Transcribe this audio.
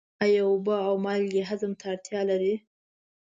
آیا اوبه او مالګې هضم ته اړتیا لري؟